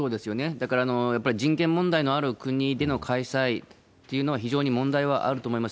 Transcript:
だから、やっぱり、人権問題のある国での開催というのは、非常に問題はあると思います。